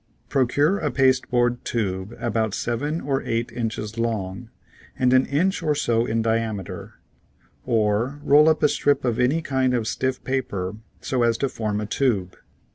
Procure a paste board tube about seven or eight inches Fig. 33 long and an inch or so in diameter, or roll up a strip of any kind of stiff paper so as to form a tube.